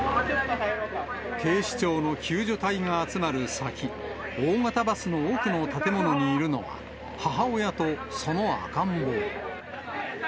警視庁の救助隊が集まる先、大型バスの奥の建物にいるのは、母親とその赤ん坊。